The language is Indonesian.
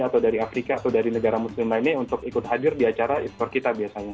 atau dari afrika atau dari negara muslim lainnya untuk ikut hadir di acara e sport kita biasanya